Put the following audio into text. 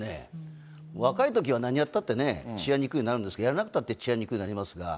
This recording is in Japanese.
若いときは何やったってね、血や肉になるんですけど、やらなくたって血や肉になりますが。